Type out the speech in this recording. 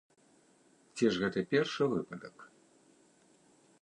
Ці ж гэта першы выпадак?